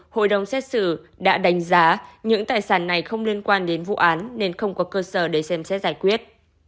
hội đồng xét xử đã đánh giá những tài sản này không liên quan đến vụ án nên không có cơ sở để xem xét giải quyết